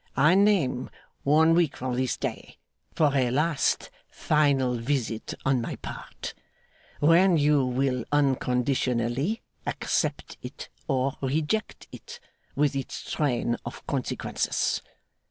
I name one week from this day, for a last final visit on my part; when you will unconditionally accept it or reject it, with its train of consequences.